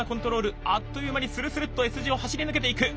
あっという間にスルスルッとＳ字を走り抜けていく。